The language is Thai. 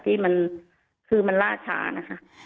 ที่มันคือมันล่าช้านะคะ